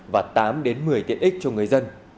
và tám một mươi tiện ích cho người dân